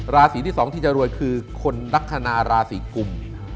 ราศีที่๒ที่จะรวยคือคนลักษณะราศีกุม